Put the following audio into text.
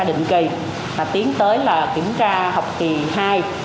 kiểm tra định kỳ và tiến tới là kiểm tra học kỳ hai